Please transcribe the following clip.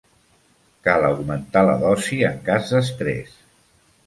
Cal augmentar la dosi en cas d'estrès.